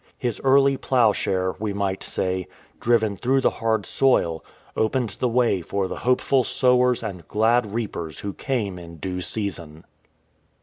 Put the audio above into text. His early ploughshare, we might say, driven through the hard soil, opened the way for the hopeful sowers and glad reapers who came in due season.